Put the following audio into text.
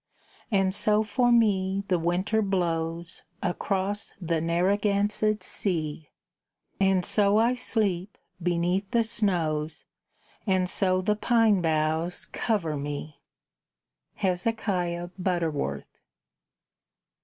And so for me the winter blows Across the Narragansett's sea. And so I sleep beneath the snows, And so the pine boughs cover me. HEZEKIAH BUTTERWORTH.